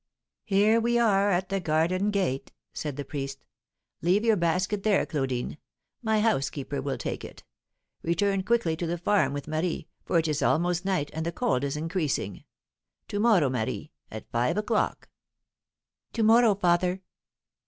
"Here we are at the garden gate," said the priest. "Leave your basket there, Claudine; my housekeeper will take it. Return quickly to the farm with Marie, for it is almost night, and the cold is increasing. To morrow, Marie, at five o'clock." "To morrow, father."